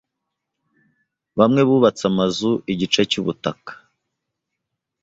Bamwe bubatse amazu igice cyubutaka.